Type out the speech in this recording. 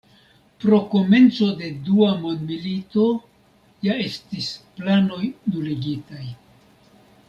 Pro komenco de dua mondmilito ja estis planoj nuligitaj.